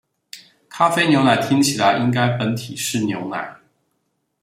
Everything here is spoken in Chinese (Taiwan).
咖啡牛奶聽起來，應該本體是牛奶